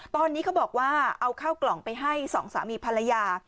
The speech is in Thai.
ตอนนี้เขาบอกว่าเอาข้าวกล่องไปให้สองสามีภรรยา